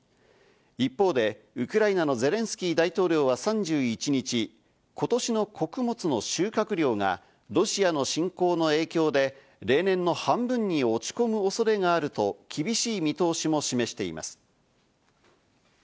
一方で、ウクライナのゼレンスキー大統領は３１日、今年の穀物の収穫量がロシアの侵攻の影響で例年の半分に落ち込む恐れがあると厳しい見通しも示しています。